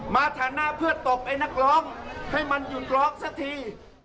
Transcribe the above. ฐานะเพื่อตบไอ้นักร้องให้มันหยุดร้องสักที